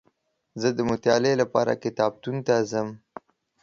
زه دمطالعې لپاره کتابتون ته ځم